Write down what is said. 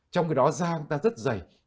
trong cái đó da ta rất dày